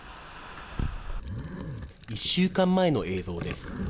１週間前の映像です。